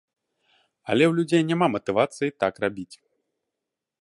Але ў людзей няма матывацыі так рабіць.